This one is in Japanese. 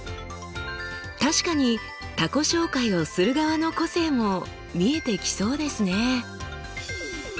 確かに他己紹介をする側の個性も見えてきそうですね。